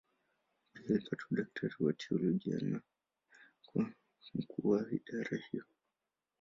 Pia alipata udaktari wa teolojia na kuwa mkuu wa idara hiyo.